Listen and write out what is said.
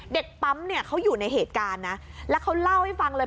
เด็กปั๊มเนี่ยเขาอยู่ในเหตุการณ์นะแล้วเขาเล่าให้ฟังเลย